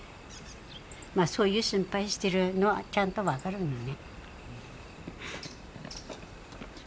まあそういう心配してるのはちゃんと分かるんだよね。